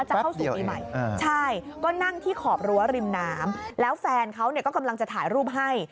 จะเข้าสู่ปีใหม่ใช่ก็นั่งที่ขอบรั้วริมน้ำแล้วแฟนเขาก็กำลังจะถ่ายรูปให้